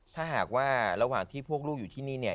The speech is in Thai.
ถ้าหากว่าระหว่างที่พวกลูกอยู่ที่นี่เนี่ย